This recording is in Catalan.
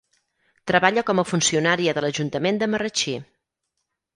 Treballa com a funcionària de l'Ajuntament de Marratxí.